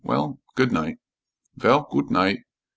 Well, good night." "Vell, goot night."